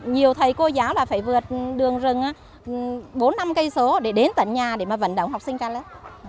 nhiều thầy cô giáo là phải vượt đường rừng bốn năm cây số để đến tận nhà để mà vận động học sinh ra lớp